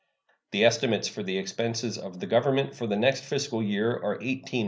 The estimates for the expenses of the Government for the next fiscal year are $18,244,346.